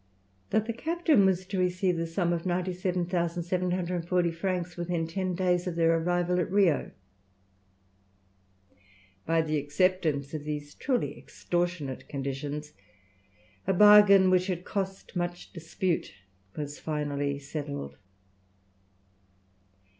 That the captain was to receive the sum of 97,740 francs within ten days of their arrival at Rio. By the acceptance of these truly extortionate conditions a bargain, which had cost much dispute, was finally settled.